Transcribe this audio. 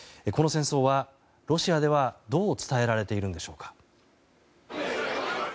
この戦争はロシアでは、どう伝えられているのでしょうか。